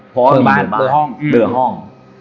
เพราะมีหัวห้อง